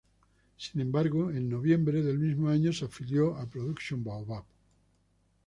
Sin embargo, en noviembre del mismo año se afilió a Production Baobab.